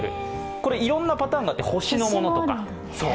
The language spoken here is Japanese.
これ、いろんなパターンがあって星のものとか。